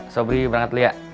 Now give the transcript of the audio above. sobri berangkat lihat